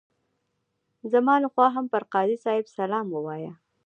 زما لخوا هم پر قاضي صاحب سلام ووایه.